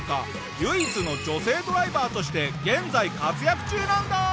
唯一の女性ドライバーとして現在活躍中なんだ。